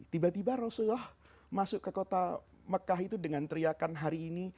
tiba tiba rasulullah masuk ke kota mekah itu dengan teriakan hari ini